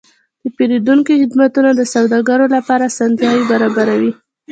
د پیرودونکو خدمتونه د سوداګرو لپاره اسانتیاوې برابروي.